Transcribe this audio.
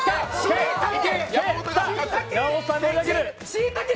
しいたけ。